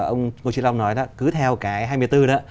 ông ngô trị lâm nói đó cứ theo cái hai mươi bốn đó